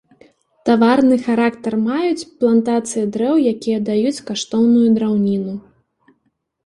Таварны характар маюць плантацыі дрэў, якія даюць каштоўную драўніну.